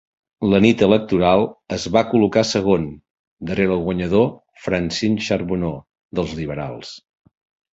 La nit electoral es va col·locar segon darrere el guanyador Francine Charbonneau dels Liberals.